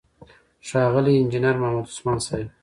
ښاغلی انجينر محمد عثمان صيب،